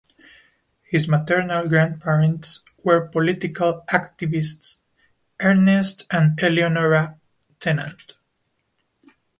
His maternal grandparents were political activists Ernest and Eleonora Tennant.